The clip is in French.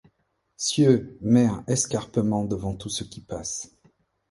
Cieux, mers, escarpement devant tout ce qui passe